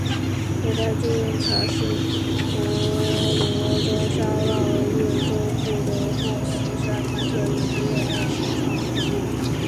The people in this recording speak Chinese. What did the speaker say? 附盖猪笼草是婆罗洲沙捞越中部的霍斯山脉特有的热带食虫植物。